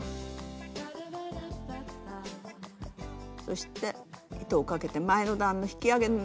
そして糸をかけて前の段の引き上げ